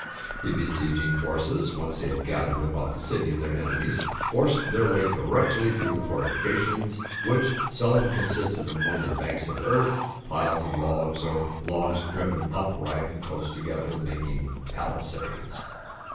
The besieging forces, once they had gathered about the city of their enemies, forced their way directly through the fortifications, which seldom consisted of more than banks of earth, piles of logs, or logs driven upright and close together, making palisades.